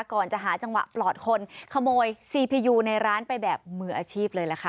ก่อนจะหาจังหวะปลอดคนขโมยซีพียูในร้านไปแบบมืออาชีพเลยล่ะค่ะ